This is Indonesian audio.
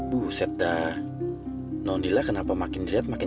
tapi dia jelas ih hebben gak ke aman